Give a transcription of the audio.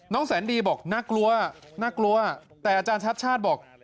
น้องแสนดีบอกน่ากลัวแต่อาจารย์ชัดบอก